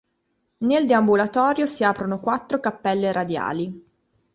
Nel deambulatorio, si aprono quattro cappelle radiali.